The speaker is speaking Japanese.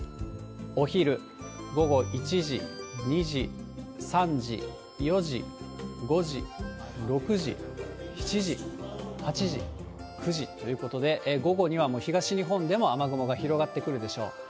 お昼、午後１時、２時、３時、４時、５時、６時、７時、８時、９時ということで、午後にはもう東日本でも雨雲が広がってくるでしょう。